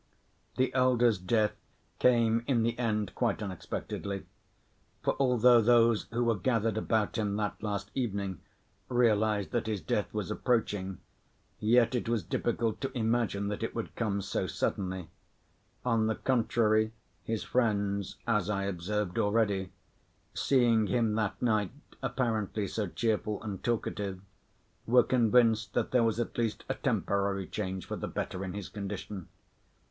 The elder's death came in the end quite unexpectedly. For although those who were gathered about him that last evening realized that his death was approaching, yet it was difficult to imagine that it would come so suddenly. On the contrary, his friends, as I observed already, seeing him that night apparently so cheerful and talkative, were convinced that there was at least a temporary change for the better in his condition.